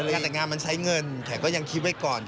งานแต่งงานมันใช้เงินแต่ก็ยังคิดไว้ก่อน